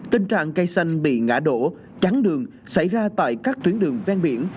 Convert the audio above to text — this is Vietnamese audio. tình trạng cây xanh bị ngã đổ chắn đường xảy ra tại các tuyến đường ven biển